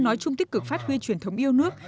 nói chung tích cực phát huy truyền thống yêu nước